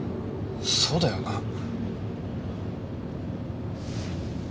そうだよな。